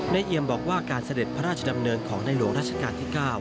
เอียมบอกว่าการเสด็จพระราชดำเนินของในหลวงราชการที่๙